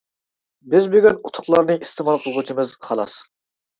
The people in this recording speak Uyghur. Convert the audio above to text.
بىز بۈگۈن ئۇتۇقلارنى ئىستېمال قىلغۇچىمىز، خالاس.